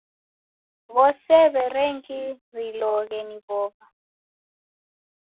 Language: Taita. W'ose w'erengiriloghe ni w'ow'a.